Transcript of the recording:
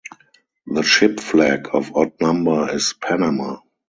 The ship flag of Odd number is Panama.